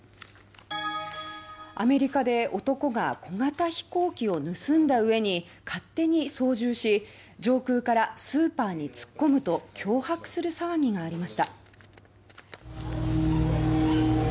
アメリカで男が小型飛行機を盗んだ上に勝手に操縦し上空から「スーパーに突っ込む」と脅迫する騒ぎがありました。